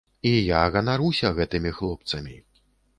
І я ганаруся гэтымі хлопцамі.